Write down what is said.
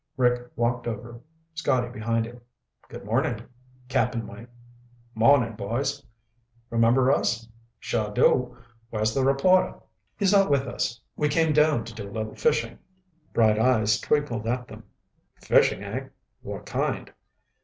Rick walked over, Scotty behind him. "Good morning, Cap'n Mike." "'Morning, boys." "Remember us?" "Sure do. Where's the reporter?" "He's not with us. We came down to do a little fishing." Bright eyes twinkled at them. "Fishing, eh? What kind?"